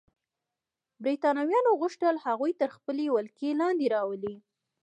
برېټانویانو غوښتل هغوی تر خپلې ولکې لاندې راولي.